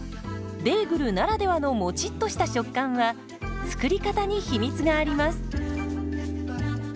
ベーグルならではのもちっとした食感は作り方に秘密があります。